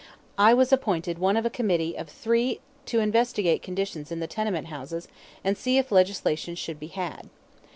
I was appointed one of a committee of three to investigate conditions in the tenement houses and see if legislation should be had.